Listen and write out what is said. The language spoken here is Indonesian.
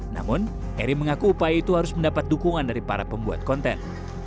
namun eri mengaku upaya itu harus mendapat dukungan dari para pembuat konten